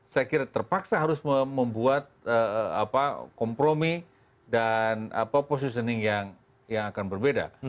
saya kira terpaksa harus membuat kompromi dan positioning yang akan berbeda